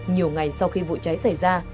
nhiều ngày sau khi vụ cháy xảy ra